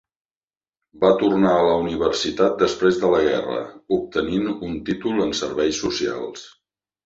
Va tornar a la universitat després de la guerra, obtenint un títol en serveis socials.